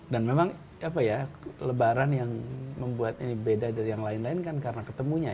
dan memang apa ya lebaran yang membuat ini beda dari yang lain lain kan karena ketemunya ya